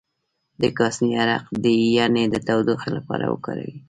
د کاسني عرق د ینې د تودوخې لپاره وکاروئ